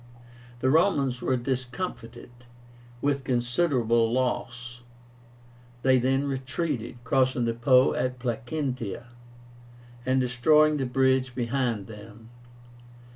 The Romans were discomfited, with considerable loss. They then retreated, crossing the Po at Placentia, and destroying the bridge behind them.